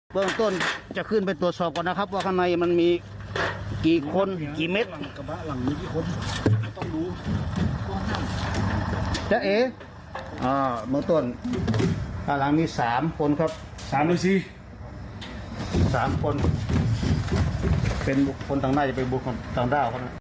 เบื้องต้นจะขึ้นไปตรวจสอบก่อนนะครับว่าข้างในมันมีกี่คนกี่เม็ด